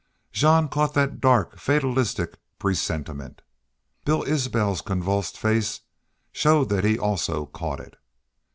Jean caught that dark, fatalistic presentiment. Bill Isbel's convulsed face showed that he also caught it.